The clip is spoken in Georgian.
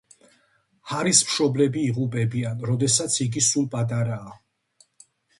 ჰარის მშობლები იღუპებიან, როდესაც იგი სულ პატარაა.